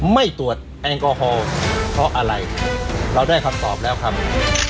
ไม่ตรวจแอลกอฮอล์เพราะอะไรเราได้คำตอบแล้วครับ